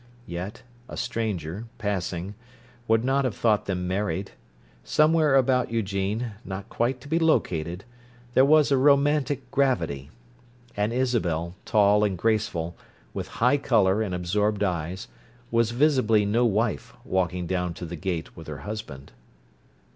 Yet, a stranger, passing, would not have thought them married: somewhere about Eugene, not quite to be located, there was a romantic gravity; and Isabel, tall and graceful, with high colour and absorbed eyes, was visibly no wife walking down to the gate with her husband.